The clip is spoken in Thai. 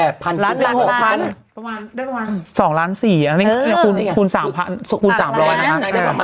๘๐๐๐บาทคือ๖๐๐๐บาทได้ประมาณ๒๔๐๐๐๐๐บาทคูณ๓๐๐๐บาทคูณ๓๐๐บาทนะครับ